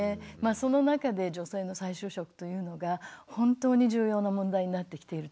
その中で女性の再就職というのが本当に重要な問題になってきていると思いました。